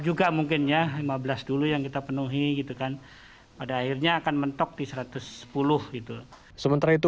juga mungkin ya lima belas dulu yang kita penuhi gitu kan pada akhirnya akan mentok di satu ratus sepuluh itu sementara itu